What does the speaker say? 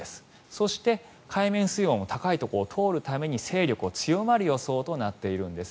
そして、海面水温も高いところを通るために勢力が強まる予想となっているんです。